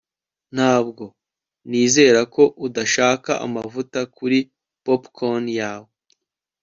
Ntabwo nizera ko udashaka amavuta kuri popcorn yawe